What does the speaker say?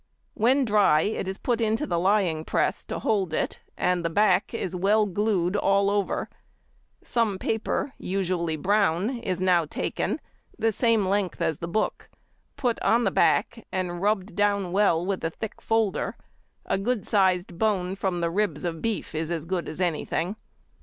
When dry it is put into the lying press to hold it, and the back is well glued all over; some paper, usually brown, is now taken, the same length as the book, put on the back, and rubbed down well with a thick folder: a good sized bone from the ribs of beef is as good as anything.